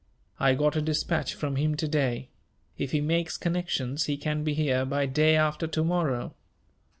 "I got a dispatch from him to day. If he makes connections, he can be here by day after to morrow."